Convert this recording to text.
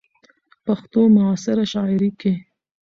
،پښتو معاصره شاعرۍ کې